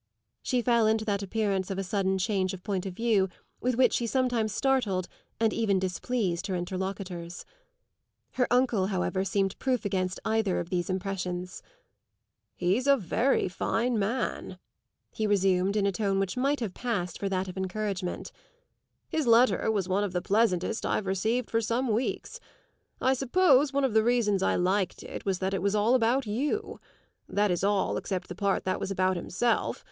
she fell into that appearance of a sudden change of point of view with which she sometimes startled and even displeased her interlocutors. Her uncle, however, seemed proof against either of these impressions. "He's a very fine man," he resumed in a tone which might have passed for that of encouragement. "His letter was one of the pleasantest I've received for some weeks. I suppose one of the reasons I liked it was that it was all about you; that is all except the part that was about himself.